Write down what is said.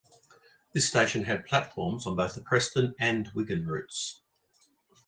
This station had platforms on both the Preston and Wigan routes.